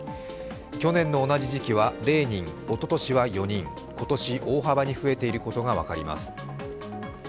去年の同じ時期は０人、おととしは４人、今年大場に増えていることが分かります。